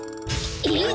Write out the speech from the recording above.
えっ？